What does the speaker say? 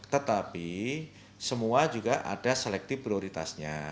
tetapi semua juga ada selektif prioritasnya